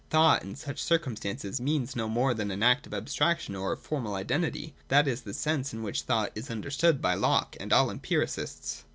Thought in such circumstances means no more than an act of abstraction or of formal identity. That is the sense in which thought is understood by Locke and all empiricists.